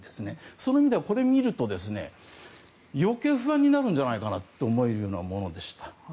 その意味では、これを見ると余計、不安になるのではないかと思えるものでした。